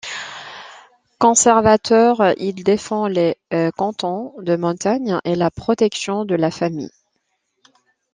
Conservateur, il défend les cantons de montagne et la protection de la famille.